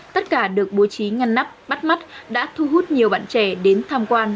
tất cả được bố trí ngăn nắp bắt mắt đã thu hút nhiều bạn trẻ đến tham quan